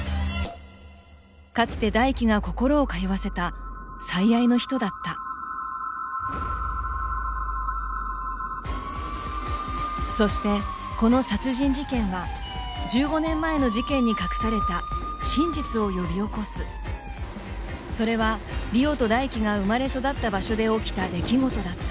かつて大輝が心を通わせた最愛の人だったそしてこの殺人事件は１５年前の事件に隠された真実を呼び起こすそれは梨央と大輝が生まれ育った場所で起きた出来事だった